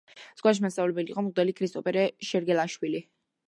სკოლაში მასწავლებელი იყო მღვდელი ქრისტეფორე შერგელაშვილი.